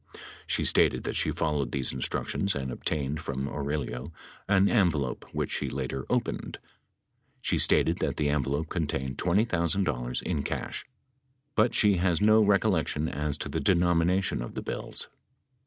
She stated that she followed these instructions and obtained from Aurelio an envelope which she later opened. She stated that the envelope contained $20,090 in cash, but she has no recollection as to the denomination of the bills.